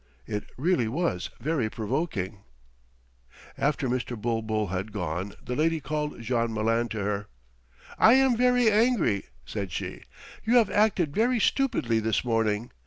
It really was very provoking. After Mr. Bulbul had gone the lady called Jean Malin to her. "I am very angry," said she. "You have acted very stupidly this morning.